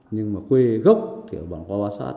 nhưng mà quê gốc thì ở vàng khóa hoa sát